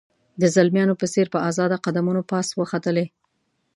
د زلمیانو په څېر په آزاده قدمونو پاس وختلې.